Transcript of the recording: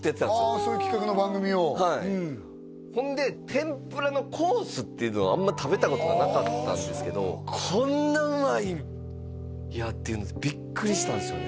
そういう企画の番組をはいほんで天ぷらのコースっていうのをあんま食べたことがなかったんですけどっていうのでビックリしたんですよね